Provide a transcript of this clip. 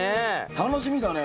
楽しみだね。